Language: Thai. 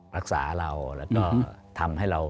รักษาเราแล้วก็ทำให้เรา